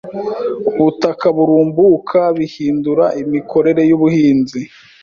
ubutaka burumbuka bihindura imikorere y’ubuhinzi